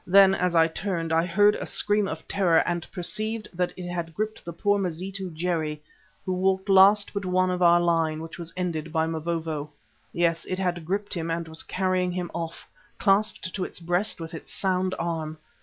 Then as I turned I heard a scream of terror and perceived that it had gripped the poor Mazitu, Jerry, who walked last but one of our line which was ended by Mavovo. Yes, it had gripped him and was carrying him off, clasped to its breast with its sound arm.